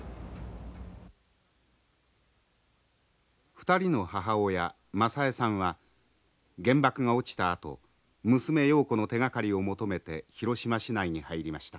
２人の母親雅枝さんは原爆が落ちたあと娘瑤子の手がかりを求めて広島市内に入りました。